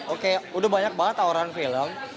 oke udah banyak banget tawaran film